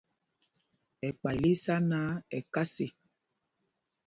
Ɛkpay lí í sá náǎ,